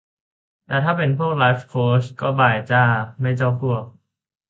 แต่ถ้าเป็นพวกไลฟ์โค้ชก็บายจ้า ไม่เจ้าพวก